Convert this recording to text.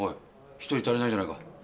１人足りないじゃないか。